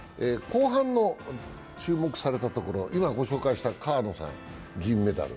後半の注目されたところ、今、ご紹介した川野さん、銀メダル。